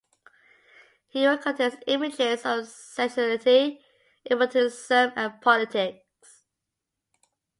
He work contains images of sensuality, eroticism and politics.